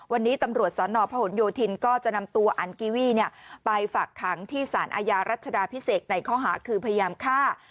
วันนี้ตำรวจสนพหนโยธินก็จะนำตัวอันกีวี่ไปฝากขังที่สารอาญารัชดาพิเศษในข้อหาคือพยายามฆ่า